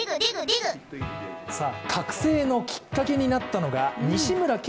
覚醒のきっかけになったのが西村憲